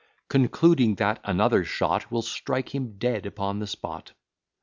Concluding that another shot Will strike him dead upon the spot.